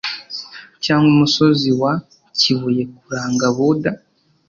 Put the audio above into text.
cyangwa umusozi wa kibuye kuranga buda